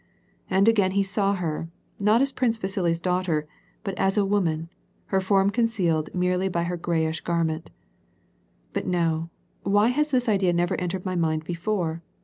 And again he saw her, not as Prince Vasili's daughter, but as a woman, her form concealed merely by her grayish gar ment. " But no, why has this idea never entered my mind before